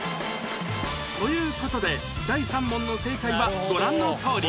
という事で第３問の正解はご覧のとおり